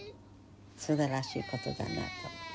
すばらしいことだなと。